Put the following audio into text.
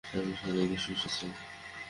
স্বামী সে রোগে শুষছে।